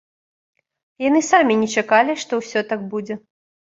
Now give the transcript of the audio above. Яны самі не чакалі, што ўсё так будзе.